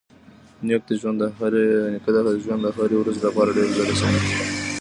نیکه د ژوند د هرې ورځې لپاره ډېر ځله سختۍ زغمي.